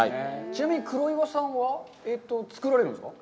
ちなみに黒岩さんは、作られるんですか。